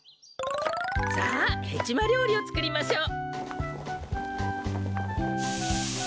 さあヘチマりょうりをつくりましょう。